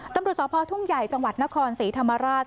ตำรวจสพทุ่งใหญ่จังหวัดนครศรีธรรมราช